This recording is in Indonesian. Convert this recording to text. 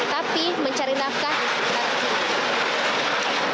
tapi mencari nafkah